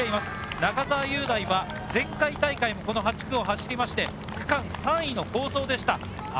中澤雄大は前回大会も８区を走って区間３位の好走でした。